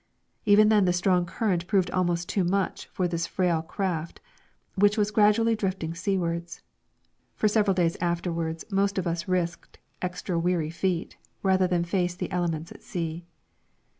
Even then the strong current proved almost too much for the frail craft, which was gradually drifting seawards. For several days afterwards most of us risked extra weary feet rather than face the elements at sea.